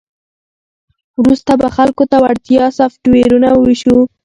وروسته به خلکو ته وړیا سافټویرونه وویشو